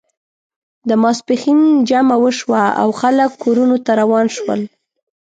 د ماسپښین جمعه وشوه او خلک کورونو ته روان شول.